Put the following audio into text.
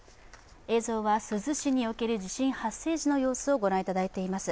映像は珠洲市における地震発生時の状況をご覧いただいています。